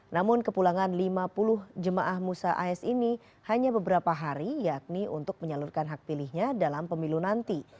namun kepulangan lima puluh jemaah musa as ini hanya beberapa hari yakni untuk menyalurkan hak pilihnya dalam pemilu nanti